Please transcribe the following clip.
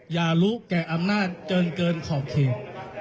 อย่ารู้แก่อำนาจจนเกินขอบเขต